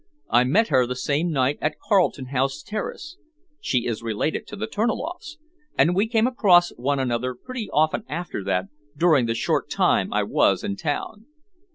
I met her the same night at Carlton House Terrace she is related to the Terniloffs and we came across one another pretty often after that, during the short time I was in town."